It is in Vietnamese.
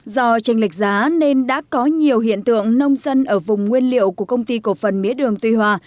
do tranh lệch giá nên đã có nhiều hiện tượng nông dân ở vùng nguyên liệu của công ty cổ phần mía đường tuy hòa